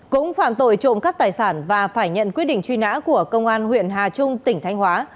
cũng phạm tội trộm cắt tài sản và phải nhận quyết định truy nã của công an huyện hà trung tỉnh thanh hóa